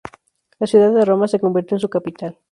La ciudad de Roma se convirtió en su capital.